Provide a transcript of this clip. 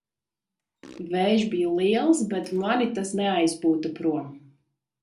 Vējš bija liels, bet mani tas neaizpūta prom.